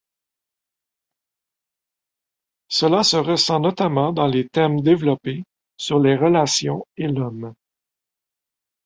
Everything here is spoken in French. Cela se ressent notamment dans les thèmes développés sur les relations et l’homme.